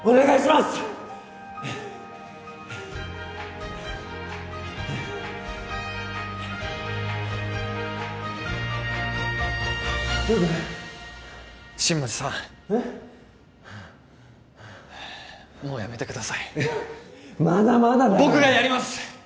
まだまだ僕がやります！